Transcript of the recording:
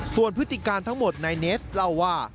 ส่วนพฤติการทั้งหมดนายเนสเล่าว่า